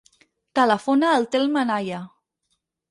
Telefona al Telm Anaya.